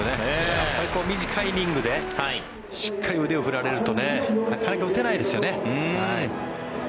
やっぱり短いイニングでしっかり腕を振られるとなかなか打てないですよね。